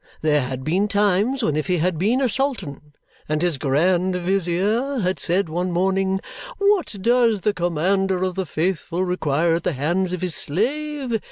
There had been times when, if he had been a sultan, and his grand vizier had said one morning, "What does the Commander of the Faithful require at the hands of his slave?"